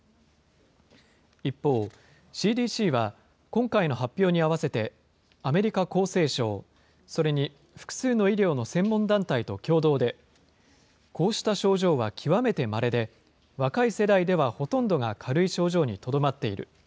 一方、ＣＤＣは、今回の発表に合わせて、アメリカ厚生省、それに複数の医療の専門団体と共同で、こうした症状は極めてまれで、若い世代ではほとんどが軽い症状にとどまっている。